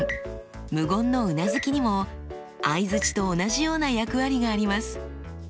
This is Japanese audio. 無言のうなずきにも相づちと同じような役割があります。